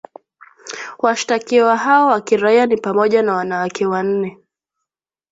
Washtakiwa hao wa kiraia ni pamoja na wanawake wanne